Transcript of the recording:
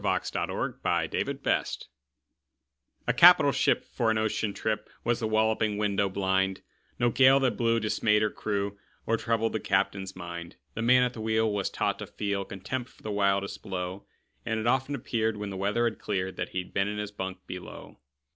U V . W X . Y Z A Nautical Ballad A CAPITAL ship for an ocean trip Was The Walloping Window blind No gale that blew dismayed her crew Or troubled the captain's mind. The man at the wheel was taught to feel Contempt for the wildest blow, And it often appeared, when the weather had cleared, That he'd been in his bunk below.